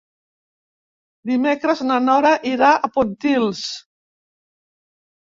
Dimecres na Nora irà a Pontils.